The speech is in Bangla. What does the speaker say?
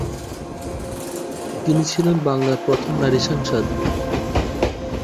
তিনি ছিলেন বাংলার প্রথম নারী সাংসদ।